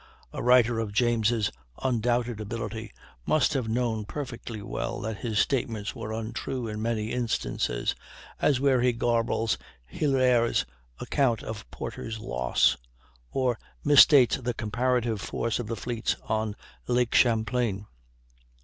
A writer of James' undoubted ability must have known perfectly well that his statements were untrue in many instances, as where he garbles Hilyar's account of Porter's loss, or misstates the comparative force of the fleets on Lake Champlain.